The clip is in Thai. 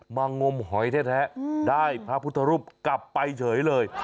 งมหอยแท้ได้พระพุทธรูปกลับไปเฉยเลย